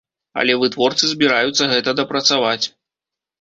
Але вытворцы збіраюцца гэта дапрацаваць.